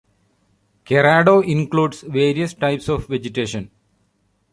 Cerrado includes various types of vegetation.